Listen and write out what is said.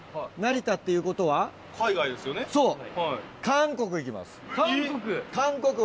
韓国行きます。